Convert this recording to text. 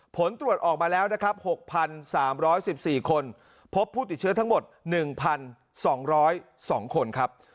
ผลตรวจออกมาแล้วนะครับ๖๓๑๔คนพบผู้ติดเชื้อทั้งหมด๑๒๐๒คนครับ